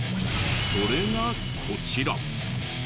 それがこちら。